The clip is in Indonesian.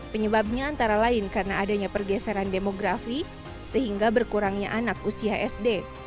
penyebabnya antara lain karena adanya pergeseran demografi sehingga berkurangnya anak usia sd